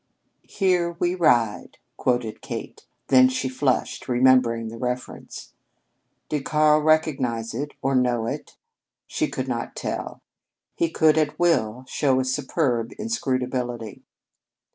"'Here we ride,'" quoted Kate. Then she flushed, remembering the reference. Did Karl recognize it or know it? She could not tell. He could, at will, show a superb inscrutability.